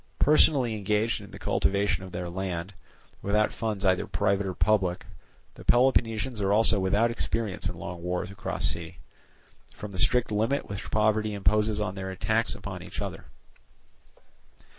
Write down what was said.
Personally engaged in the cultivation of their land, without funds either private or public, the Peloponnesians are also without experience in long wars across sea, from the strict limit which poverty imposes on their attacks upon each other.